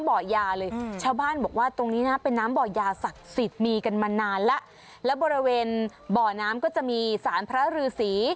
บ้านบอกว่าตรงนี้น่ะเป็นน้ำบ่อยาศักดิ์ศิษย์มีกันมานานแล้วแล้วบริเวณบ่อน้ำก็จะมีศาลพระรือศรี